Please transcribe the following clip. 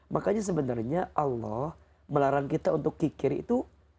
makanya sebenarnya allah melarang kita untuk kikir itu